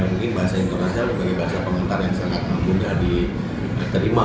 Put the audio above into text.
mungkin bahasa internasional sebagai bahasa komentar yang sangat mudah diterima